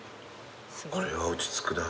これは落ち着くな。